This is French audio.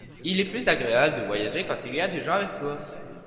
Il est plus agréable de voyager quand il y a des gens avec soi.